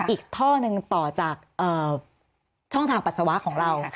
อีกท่อหนึ่งต่อจากช่องทางปัสสาวะของเรา